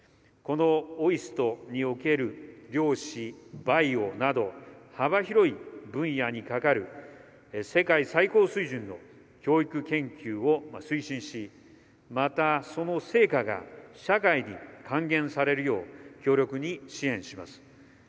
このＯＩＳＴにおける量子、バイオなど幅広い分野に係る世界最高水準の教育研究を推進しまた、その成果が社会に還元されるよう強力に支援します。